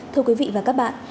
thưa quý vị và các bạn